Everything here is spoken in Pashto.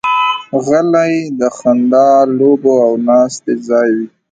غلۍ د خندا، لوبو او ناستې ځای وي.